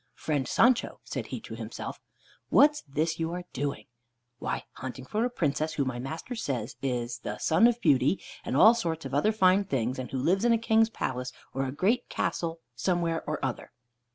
"Friend Sancho," said he to himself, "what's this you are doing?" "Why, hunting for a Princess, who, my master says, is the Sun of Beauty, and all sorts of other fine things, and who lives in a King's palace, or great castle, somewhere or other."